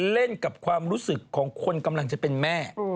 เล่นกับความรู้สึกของคนกำลังจะเป็นแม่